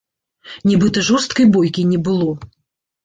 Нібыта жорсткай бойкі не было.